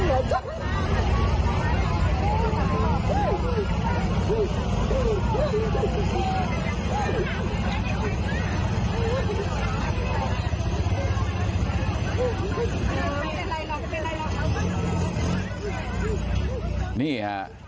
โอ้โห